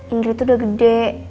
indri tuh udah gede